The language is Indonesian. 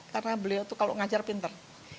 karena beliau itu kalau mengajar pintar